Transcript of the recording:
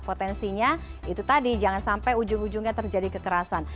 potensinya itu tadi jangan sampai ujung ujungnya terjadi kekerasan